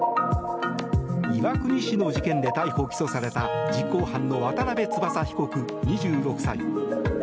岩国市の事件で逮捕・起訴された実行犯の渡邉翼被告、２６歳。